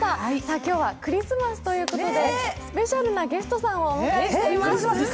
今日はクリスマスということで、スペシャルなゲストさんをお迎えしています。